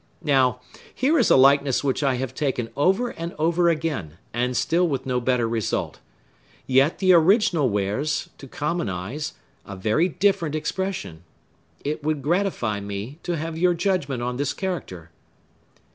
Now, here is a likeness which I have taken over and over again, and still with no better result. Yet the original wears, to common eyes, a very different expression. It would gratify me to have your judgment on this character."